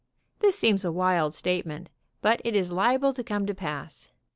This seems a wild statement, but it is liable to come to pass.